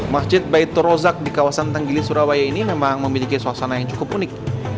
masjid baitorozak di kawasan tanggili surabaya ini memang memiliki suasana yang cukup unik